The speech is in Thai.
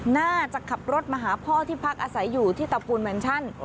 น่าจะขับรถมาหาพ่อที่พักอาศัยอยู่ที่ตระกูลแมนชั่น